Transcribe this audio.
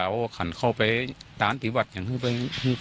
เอาขันเข้าไปตานปีบัตรอย่างที่เป็นอย่างอย่างที่นี่ก็